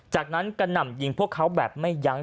จากนั้นกระหน่ำยิงพวกเขาแบบไม่ยั้ง